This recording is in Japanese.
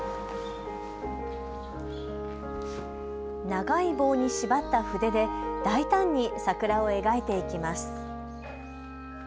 長い棒に縛った筆で大胆に桜を描いていきます。